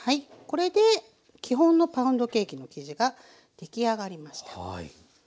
これで基本のパウンドケーキの生地が出来上がりました。